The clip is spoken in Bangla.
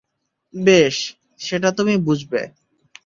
বেশ, সেটা তুমি বুঝবে।